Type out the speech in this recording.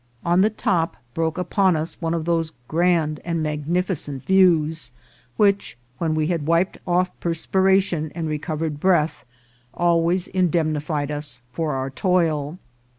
On the top broke upon us one of those grand and magnificent views which, when we had wiped off perspiration and recovered breath, always indemnified us for our toil.